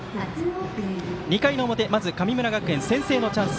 ２回の表、まず神村学園先制のチャンス。